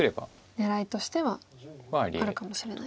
狙いとしてはあるかもしれない。